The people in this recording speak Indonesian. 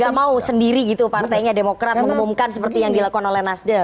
gak mau sendiri gitu partainya demokrat mengumumkan seperti yang dilakukan oleh nasdem